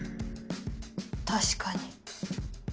確かに。